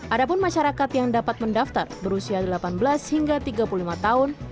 ada pun masyarakat yang dapat mendaftar berusia delapan belas hingga tiga puluh lima tahun